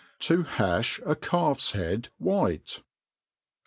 ta hajb a Calf*s Head white.